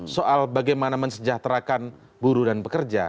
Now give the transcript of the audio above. soal bagaimana mensejahterakan buruh dan pekerja